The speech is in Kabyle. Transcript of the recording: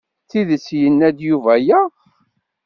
D tidet yenna-d Yuba aya?